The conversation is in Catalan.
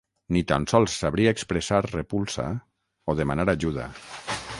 Ni tan sols sabria expressar repulsa o demanar ajuda.